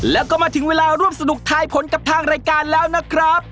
แล้วก็มาถึงเวลาร่วมสนุกทายผลกับทางรายการแล้วนะครับ